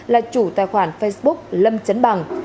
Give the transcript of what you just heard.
là chủ tài khoản facebook lâm chấn bằng